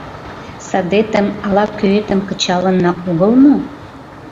Садетым, ала-кӧэтым кычалынна огыл мо?